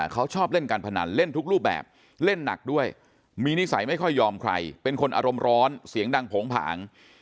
เขาชอบเล่นการพนันเล่นทุกรูปแบบเล่นหนักด้วยมีนิสัยไม่ค่อยยอมใครเป็นคนอารมณ์ร้อนเสียงดังโผงผาง